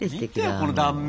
この断面。